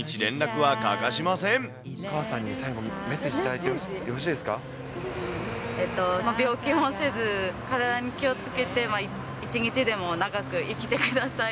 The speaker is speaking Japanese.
お母さんに最後、病気もせず、体に気をつけて、一日でも長く生きてください。